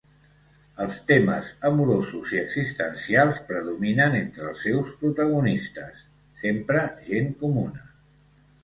Els temes amorosos i existencials predominen entre els seus protagonistes, sempre gent comuna.